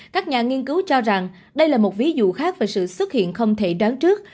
các nhà nghiên cứu cho rằng đây là một ví dụ khác về sự xuất hiện không thể đoán trước